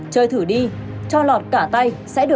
chơi thử đi cho lọt cả tay